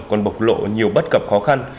còn bộc lộ nhiều bất cập khó khăn